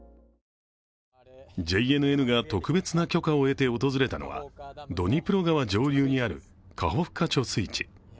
ＪＮＮが特別な許可を得て訪れたのはドニプロ川上流にあるカホフカ貯水池。